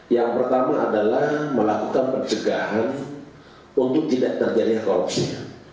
yang pertama adalah melakukan pencegahan untuk tidak terjadinya korupsi